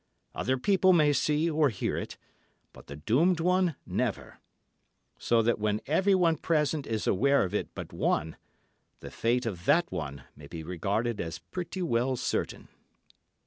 Other people may see or hear it, but the doomed one never, so that when every one present is aware of it but one, the fate of that one may be regarded as pretty well certain.